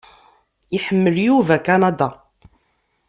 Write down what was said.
Iḥemmel Yuba Kanada.